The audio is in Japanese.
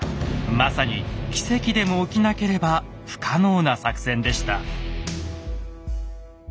まさに奇跡でも起きなければ不可能な作戦でした。